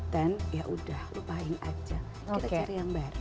ya udah lupain aja kita cari yang baru